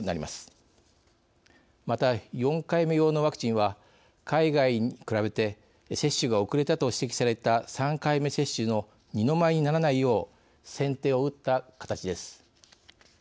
また、４回目用のワクチンは海外に比べて接種が遅れたと指摘された３回目接種の二の舞にならないよう先手を打った形です。